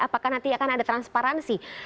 apakah nanti akan ada transparansi